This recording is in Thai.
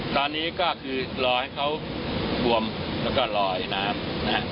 ตอนนี้ก็คือรอให้เขาบวมแล้วก็ลอยน้ำนะฮะ